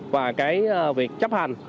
và cái việc chấp hành